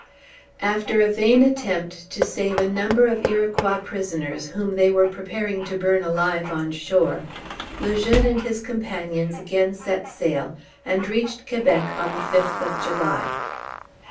After a vain attempt to save a number of Iroquois prisoners whom they were preparing to burn alive on shore, Le Jeune and his companions again set sail, and reached Quebec on the fifth of July.